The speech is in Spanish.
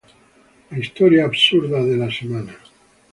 ¡La historia absurda de la semana!